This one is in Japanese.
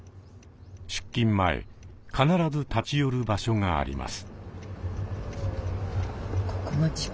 出勤前必ず立ち寄る場所があります。